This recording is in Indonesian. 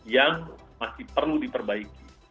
yang masih perlu diperbaiki